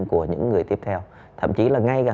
của những người tiếp theo thậm chí là ngay cả